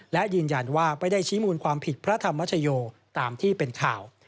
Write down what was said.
และยืนยันว่าไม่ได้ชี้มูลความผิดพระธรรมชโยตามที่เป็นข่าว